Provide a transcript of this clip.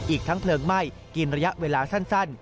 อีกทั้งเพลิงไหม้กินระยะเวลาสั้น